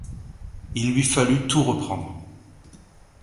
Il lui fallut tout reprendre.